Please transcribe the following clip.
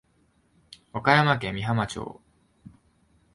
和歌山県美浜町